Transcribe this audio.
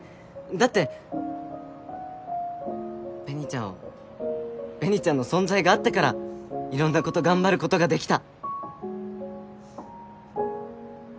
だって紅ちゃんを紅ちゃんの存在があったからいろんなこと頑張ることができた。